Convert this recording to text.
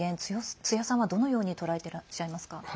津屋さんはどのように捉えてらっしゃいますか？